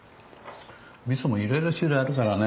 みそもいろいろ種類あるからね。